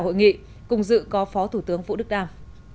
hội nghị cùng dự có phó thủ tướng vũ đức đam